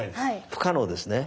不可能ですね？